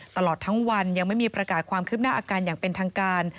ตลอดทั้งวันยังไม่มีประกาศความคืบหน้าอาการอย่างเป็นทางการ